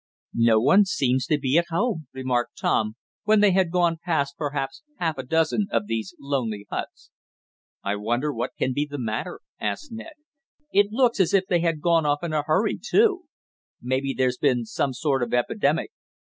"No one seems to be at home," remarked Tom, when they had gone past perhaps half a dozen of these lonely huts. "I wonder what can be the matter?" asked Ned. "It looks as if they had gone off in a hurry, too. Maybe there's been some sort of epidemic."